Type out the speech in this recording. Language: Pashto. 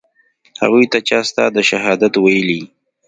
هغوى ته چا ستا د شهادت ويلي.